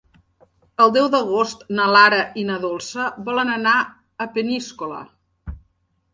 El deu d'agost na Lara i na Dolça volen anar a Peníscola.